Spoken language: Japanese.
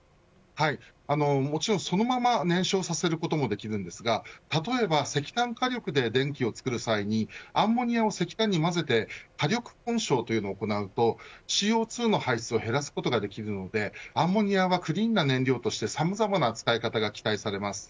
もちろん、そのまま燃焼させることもできるんですが例えば石炭火力で電気を作る際にアンモニアを石炭に混ぜて火力混焼を行うとＣＯ２の排出を減らすことができるのでアンモニアはクリーンな燃料としてさまざまな使い方が期待されます。